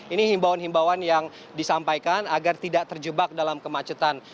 ini himbauan himbauan yang disampaikan agar tidak terjebak dalam kemacetan